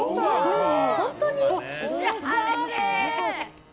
本当に？